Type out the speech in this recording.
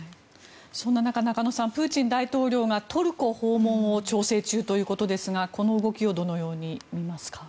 そんな中、中野さんプーチン大統領がトルコ訪問を調整中ということですがこの動きをどのように見ますか？